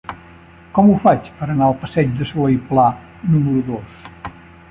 Com ho faig per anar al passeig de Solé i Pla número dos?